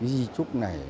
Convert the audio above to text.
di trúc này